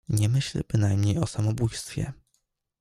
"Nie myślę bynajmniej o samobójstwie."